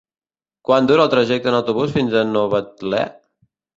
Quant dura el trajecte en autobús fins a Novetlè?